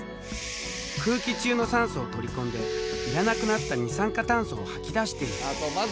空気中の酸素を取り込んでいらなくなった二酸化炭素を吐き出している。